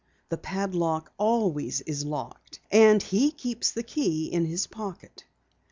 The padlock always is locked, and he keeps the key in his pocket."